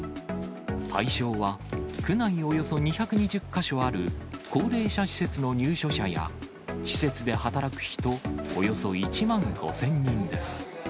対象は、区内およそ２２０か所ある高齢者施設の入所者や、施設で働く人およそ１万５０００人です。